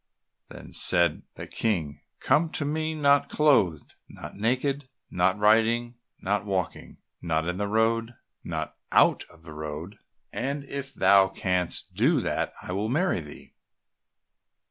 Then said the King, "Come to me not clothed, not naked, not riding, not walking, not in the road, and not out of the road, and if thou canst do that I will marry thee."